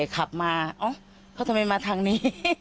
ขับมาอ๋อเขาทำไมมาทางนี้